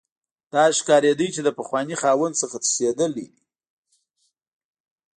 داسې ښکاریده چې د پخواني خاوند څخه تښتیدلی دی